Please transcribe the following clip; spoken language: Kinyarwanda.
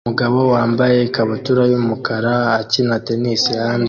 Umugabo wambaye ikabutura yumukara akina tennis hanze